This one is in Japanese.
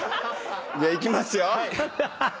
じゃあいきますよ。